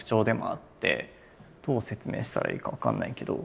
どう説明したらいいか分かんないけど。